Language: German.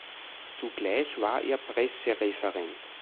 Zugleich war er Pressereferent.